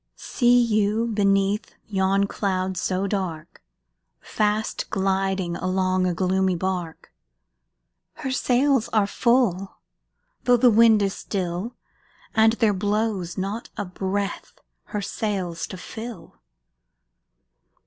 See you, beneath yon cloud so dark, Fast gliding along a gloomy bark? Her sails are full, though the wind is still, And there blows not a breath her sails to fill!